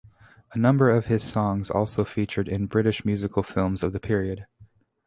A number of his songs also featured in British musical films of the period.